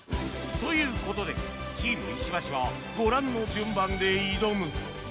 という事でチーム石橋はご覧の順番で挑む